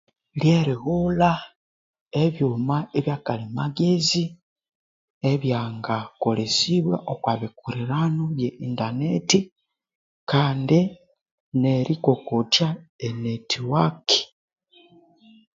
Ryerighulha ebyuma byakalhi magenzi ebya ngakolesibwa okwa internet